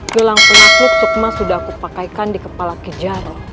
gelang penasluk sukma sudah aku pakaikan di kepala kijaro